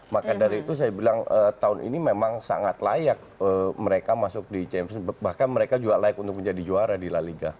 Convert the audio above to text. maka dari itu saya bilang tahun ini memang sangat layak mereka masuk di cm bahkan mereka juga layak untuk menjadi juara di la liga